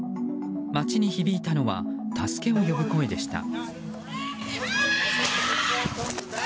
街に響いたのは助けを呼ぶ声でした。